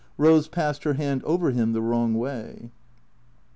Rose passed her hand over him the wrong way.